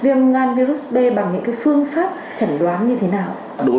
bằng những phương pháp chẳng đoán như thế nào